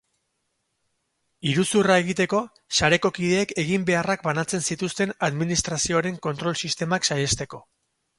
Iruzurra egiteko, sareko kideek eginbeharrak banatzen zituzten administrazioaren kontrol sistemak saihesteko.